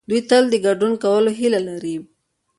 دوی تل د ګډون کولو هيله لري.